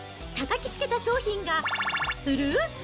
たたきつけた商品が×××する？